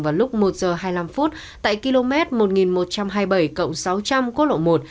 vào lúc một giờ hai mươi năm phút tại km một nghìn một trăm hai mươi bảy cộng sáu trăm linh quốc lộ một